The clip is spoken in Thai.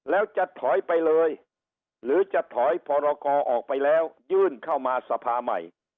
แล้วจะถอยไปเลยหรือจะถอยพรกรออกไปแล้วยื่นเข้ามาสภาใหม่